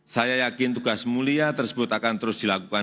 saya yakin tugas mulia tersebut akan terus dilakukan